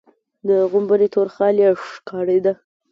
د غومبري تور خال يې ښکارېده.